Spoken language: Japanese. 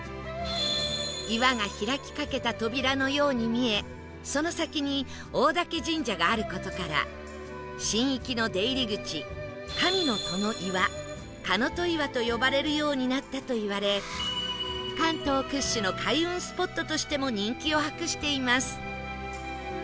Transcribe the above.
岩が開きかけた扉のように見えその先に大嶽神社がある事から神域の出入り口神の戸の岩神戸岩と呼ばれるようになったといわれ関東屈指の開運スポットとしても人気を博しています